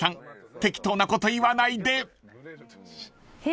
適当なこと言わないで］